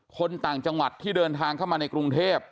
คนต่างจังหวัดที่เดินทางเข้ามาในกรุงเทพ